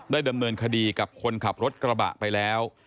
ดำเนินคดีกับคนขับรถกระบะไปแล้ว